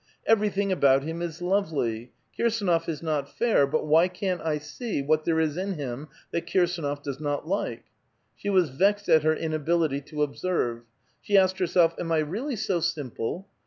'' Everything about him is lovely. Kirsdnof is not fair ; but why can't I see what there is in him that Kirsdnof does not like ?" She was vexed at her inability to observe. She asked her self, "Am I really so simple?"